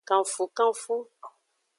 Kanfukanfu.